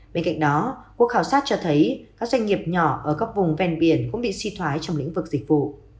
bên cạnh đó cuộc khảo sát cho thấy các doanh nghiệp nhỏ ở các vùng ven biển cũng bị suy thoái trong lĩnh vực dịch vụ